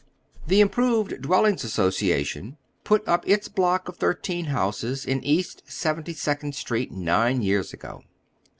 The Improved Dwellings Association put up its block of thirteen houses in East Seventy^econd Street nine years ago.